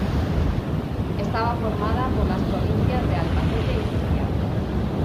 Estaba formada por las provincias de Albacete y Murcia.